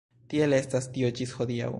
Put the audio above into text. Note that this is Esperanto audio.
Tiel estas tio ĝis hodiaŭ.